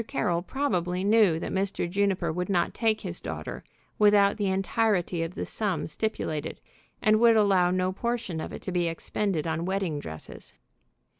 Carroll probably knew that Mr. Juniper would not take his daughter without the entirety of the sum stipulated, and would allow no portion of it to be expended on wedding dresses.